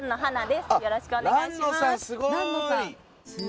よろしくお願いします。